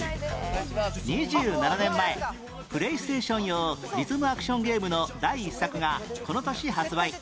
２７年前プレイステーション用リズムアクションゲームの第一作がこの年発売